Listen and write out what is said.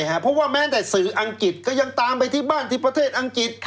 แม้ภาพภาพอังกฤษก็ยังตามไปที่บ้านประเทศอังกฤษ